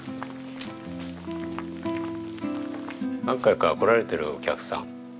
何回か来られているお客さん。